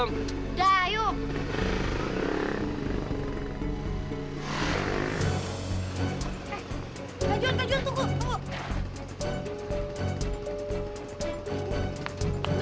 bu ibu tunggu